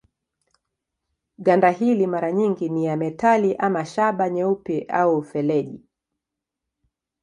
Ganda hili mara nyingi ni ya metali ama shaba nyeupe au feleji.